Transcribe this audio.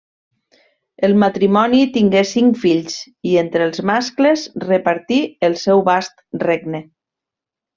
El matrimoni tingué cinc fills, i entre els mascles repartí el seu vast regne.